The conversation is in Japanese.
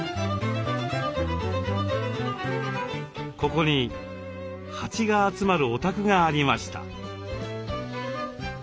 ここに蜂が集まるお宅がありました。